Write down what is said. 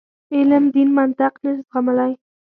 علم دین منطق نه زغملای.